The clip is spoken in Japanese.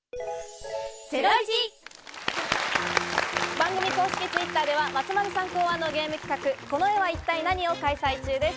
番組公式Ｔｗｉｔｔｅｒでは松丸さん考案のゲーム企画「この絵は一体ナニ！？」を開催中です。